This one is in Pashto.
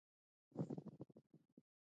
د پښتنو په کلتور کې د تاریخي ورځو لمانځل کیږي.